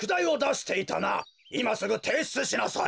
いますぐていしゅつしなさい。